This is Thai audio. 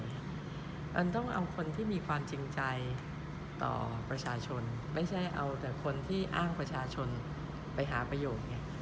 มันต้องเอาคนที่มีความจริงใจต่อประชาชนไม่ใช่เอาแต่คนที่อ้างประชาชนไปหาประโยชน์ไง